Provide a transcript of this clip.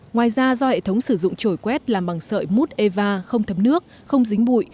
ngoài ra do hệ thống sử dụng trổi quét làm bằng sợi mút eva không thấm nước không dính bụi